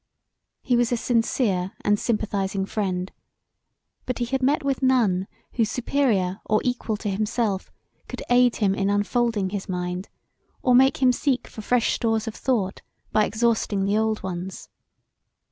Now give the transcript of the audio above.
He was a sincere and sympathizing friend but he had met with none who superior or equal to himself could aid him in unfolding his mind, or make him seek for fresh stores of thought by exhausting the old ones.